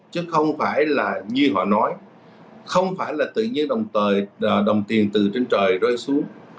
chứ không phải là như họ nói không phải là tự nhiên đồng tiền từ trên trời rơi xuống